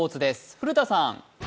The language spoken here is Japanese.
古田さん。